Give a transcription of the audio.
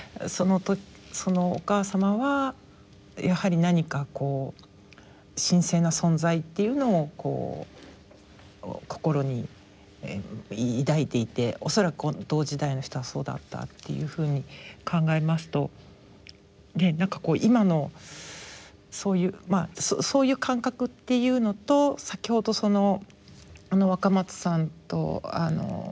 そのお母様はやはり何かこう神聖な存在というのを心に抱いていて恐らく同時代の人はそうだったっていうふうに考えますとねえ何かこう今のそういう感覚っていうのと先ほど若松さんと櫻井さんがおっしゃったそのね